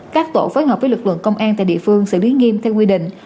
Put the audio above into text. các tổ phối hợp với lực lượng công an tại địa phương xử lý nghiêm theo quy định